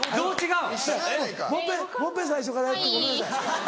うん。